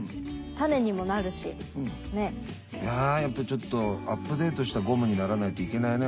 いややっぱちょっとアップデートしたゴムにならないといけないね